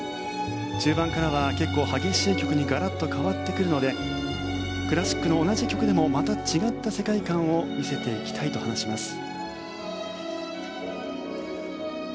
中盤からは結構激しい曲にガラッと変わってくるのでクラシックの同じ曲でもまた違った世界観を見せていきたいと話します。